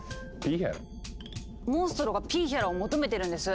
モンストロがピーヒャラを求めてるんです！